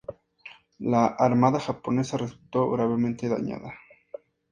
La armada japonesa resultó gravemente dañada.